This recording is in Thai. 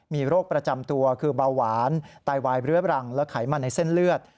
มีโรคประจำตัวคือเบาหวานไตวายเรื้อบรังและไขมันในเส้นเลือด